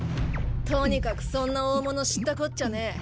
とにかくそんな大物知ったこっちゃねえ。